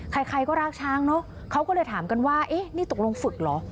ใครใครก็รักช้างเนอะเขาก็เลยถามกันว่าเอ๊ะนี่ตกลงฝึกเหรอ